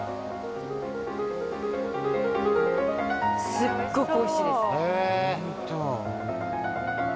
すっごくおいしいです。